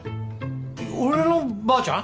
俺のばあちゃん？